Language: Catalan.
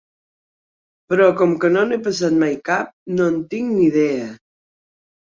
Però com que no n'he passat mai cap no en tinc ni idea.